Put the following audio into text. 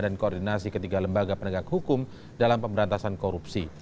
dan koordinasi ketiga lembaga penegak hukum dalam pemberantasan korupsi